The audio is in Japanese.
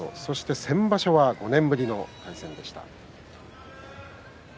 先場所は５年ぶりの対戦でした。